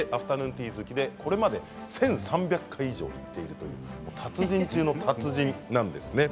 ティー好きでこれまで１３００回以上行っているという達人中の達人なんです。